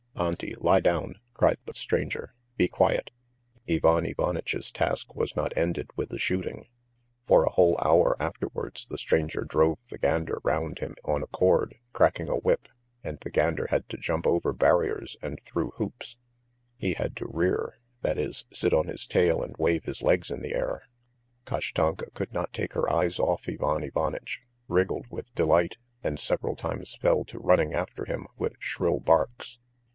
"Auntie, lie down!" cried the stranger; "be quiet!" Ivan Ivanitch's task was not ended with the shooting. For a whole hour afterwards the stranger drove the gander round him on a cord, cracking a whip, and the gander had to jump over barriers and through hoops; he had to rear, that is, sit on his tail and wave his legs in the air. Kashtanka could not take her eyes off Ivan Ivanitch, wriggled with delight, and several times fell to running after him with shrill barks.